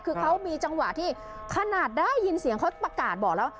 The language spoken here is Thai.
คือเขามีจังหวะที่ขนาดได้ยินเสียงเขาประกาศบอกแล้ว